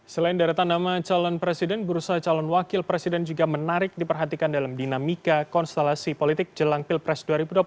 selain deretan nama calon presiden bursa calon wakil presiden juga menarik diperhatikan dalam dinamika konstelasi politik jelang pilpres dua ribu dua puluh empat